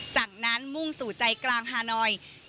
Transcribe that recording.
จากนั้นมุ่งสู่ใจกลางฮานอย